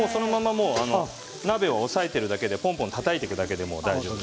もう鍋を押さえているだけでポンポンたたいていくだけで大丈夫です。